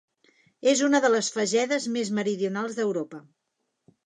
És una de les fagedes més meridionals d'Europa.